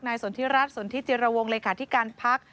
นายสนทิรัฐสนทิเจรวงเลขาธิการพักษ์